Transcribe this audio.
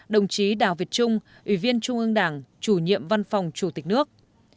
hai mươi tám đồng chí đào việt trung ủy viên trung ương đảng chủ nhiệm văn phòng chủ tịch nước